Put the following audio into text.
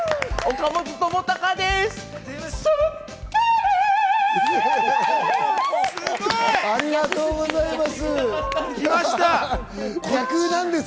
岡本知高です。